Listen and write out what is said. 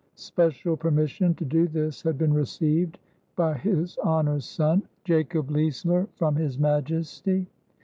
Special permission to do this had been received by his Honor's son, Jacob Leisler, from his Majesty.